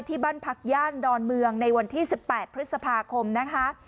ที่บ้านพักย่านดอนเมืองในวันที่๑๘พฤษภาคมนะคะ